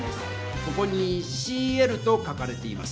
ここに「ｃＬ」と書かれています。